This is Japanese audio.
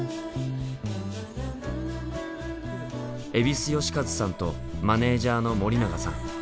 蛭子能収さんとマネージャーの森永さん。